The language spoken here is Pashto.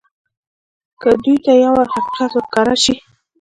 که دوى ته يو وار حقيقت ورښکاره سي.